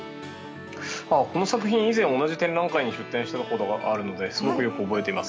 この作品、以前同じ展覧会に出展したことがあるのですごくよく覚えてます。